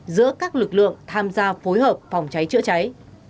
giữa các lực lượng tham gia phối hợp phòng cháy chữa cháy